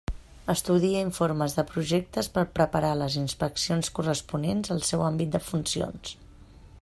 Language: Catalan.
Estudia informes de projectes per preparar les inspeccions corresponents al seu àmbit de funcions.